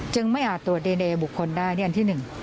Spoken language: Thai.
ไม่อาจตรวจดีเนบุคคลได้นี่อันที่๑